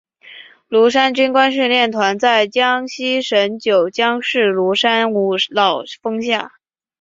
庐山军官训练团在江西省九江市庐山五老峰下。